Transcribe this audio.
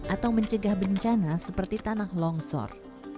atau mencegah bencana seperti tanah longsor